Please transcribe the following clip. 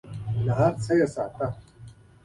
له هر څه یې ساتي .